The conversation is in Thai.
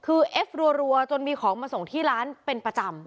คือเอฟรัวจนมีของมาส่งที่ร้านเป็นประจำ